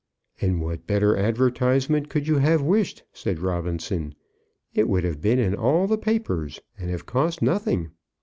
"And what better advertisement could you have wished?" said Robinson. "It would have been in all the papers, and have cost nothing."